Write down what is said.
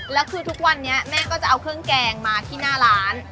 แล้วคือทุกวันนี้แม่ก็จะเอาเครื่องแกงมาที่หน้าร้าน